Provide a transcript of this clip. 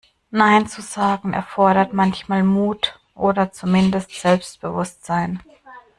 Nein zu sagen, erfordert manchmal Mut oder zumindest Selbstbewusstsein.